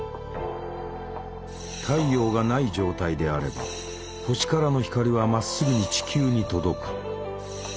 太陽がない状態であれば星からの光はまっすぐに地球に届く。